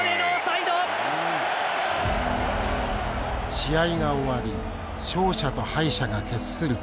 試合が終わり勝者と敗者が決する時。